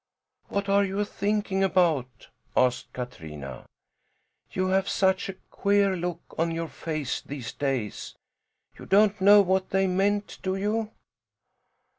"What are you thinking about?" asked Katrina. "You have such a queer look on your face these days. You don't know what they meant, do you?"